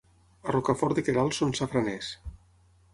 A Rocafort de Queralt són safraners.